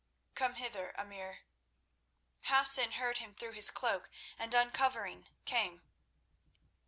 Come hither, Emir." Hassan heard him through his cloak, and, uncovering, came.